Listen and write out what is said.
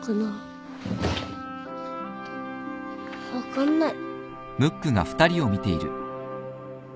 分かんない。